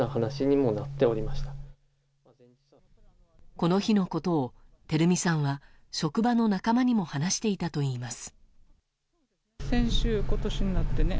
この日のことを照美さんは職場の仲間にも話していたといいます。